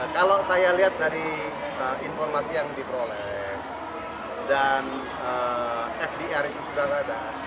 kalau saya lihat dari informasi yang diperoleh dan fdr itu sudah ada